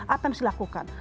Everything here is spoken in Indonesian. apa yang harus dilakukan